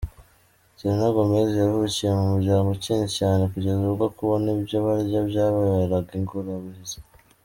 Selena Gomez, yavukiye mu muryango ukennye cyane, kugeza ubwo kubona ibyo barya byababeraga ingorabahizi.